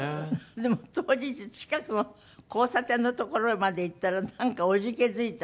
でも当日近くの交差点の所まで行ったらなんか怖じ気づいた？